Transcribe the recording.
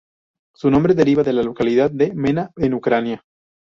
Su nombre deriva del de la localidad de Mena, en Ucrania.